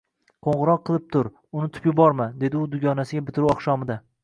Qoʻngʻiroq qilib tur, unutib yuborma, – dedi u dugonasiga bitiruv oqshomida.